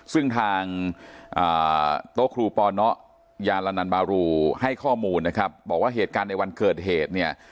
ซึ่งทางโต๊ะครูปยาลานันบารูให้ข้อมูลนะครับบอกว่าเหตุการณ์ในวันเกิดเหตุเนี่ย